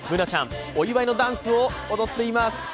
Ｂｏｏｎａちゃん、お祝いのダンスを踊っています。